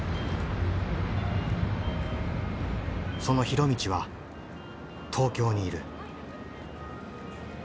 その大倫は東京にいる。